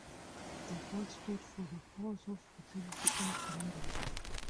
The god stood for the powers of fertility in general.